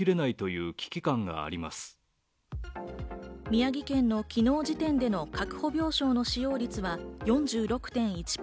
宮城県の昨日時点での確保病床の使用率は４６．１％。